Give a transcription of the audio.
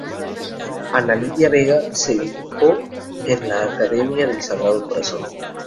Ana Lydia Vega se educó en la Academia del Sagrado Corazón.